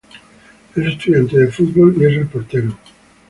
Es estudiante de fútbol y es el portero.